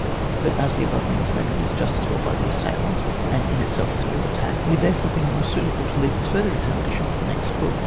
But as the above means may be used just as well by the assailant, and in itself is a real attack, we therefore think more suitable to leave its further examination for the next book.